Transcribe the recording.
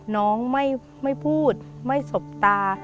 น้องไม่พูดไม่สบตา